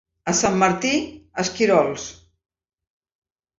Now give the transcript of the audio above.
A Sant Martí, esquirols.